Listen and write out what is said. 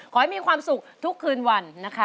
ขอให้มีความสุขทุกคืนวันนะคะ